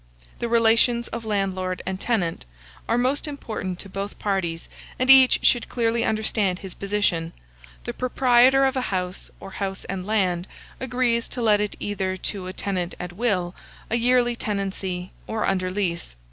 THE RELATIONS OF LANDLORD AND TENANT are most important to both parties, and each should clearly understand his position. The proprietor of a house, or house and land, agrees to let it either to a tenant at will, a yearly tenancy, or under lease.